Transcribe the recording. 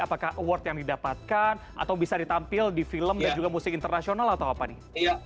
apakah award yang didapatkan atau bisa ditampil di film dan juga musik internasional atau apa nih